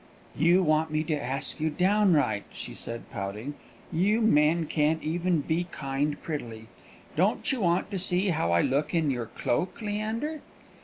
"You want me to ask you downright," she said pouting. "You men can't even be kind prettily. Don't you want to see how I look in your cloak, Leander?"